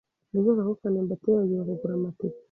Ndakeka ko Kanimba atibagiwe kugura amatike.